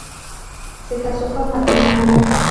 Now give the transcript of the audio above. Se casó con Matilde Morán.